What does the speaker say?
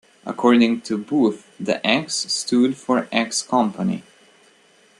According to Booth, the X stood for X-company.